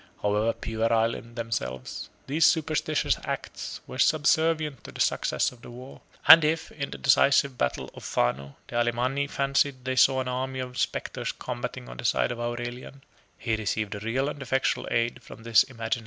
However puerile in themselves, these superstitious arts were subservient to the success of the war; and if, in the decisive battle of Fano, the Alemanni fancied they saw an army of spectres combating on the side of Aurelian, he received a real and effectual aid from this imaginary reënforcement.